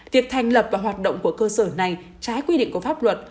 việc thành lập và hoạt động của cơ sở này trái quy định của pháp luật